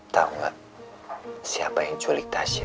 tau gak siapa yang culik tasya